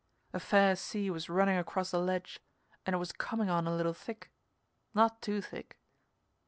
A fair sea was running across the ledge and it was coming on a little thick not too thick.